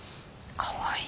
かわいい。